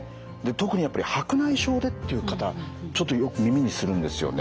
特にやっぱり白内障でっていう方ちょっとよく耳にするんですよね。